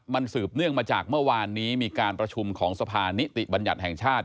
มันสืบเนื่องมาจากเมื่อวานนี้มีการประชุมของสภานิติบัญญัติแห่งชาติ